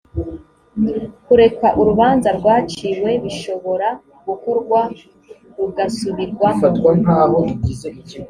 kureka urubanza rwaciwe bishobora gukorwa rugasubirwamo